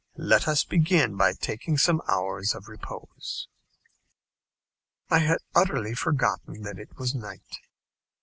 Let us begin by taking some hours of repose." I had utterly forgotten that it was night.